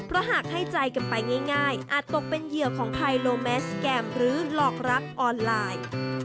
เพราะหากให้ใจกันไปง่ายอาจตกเป็นเหยื่อของภัยโลแมสแกรมหรือหลอกรักออนไลน์